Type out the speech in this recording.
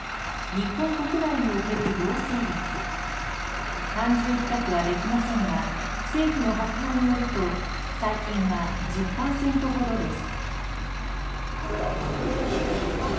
日本国内における陽性率単純比較はできませんが政府の発表によると最近は１０％ほどです。